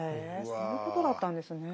そういうことだったんですね。